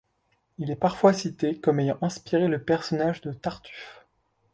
Il est parfois cité comme ayant inspiré le personnage de Tartuffe.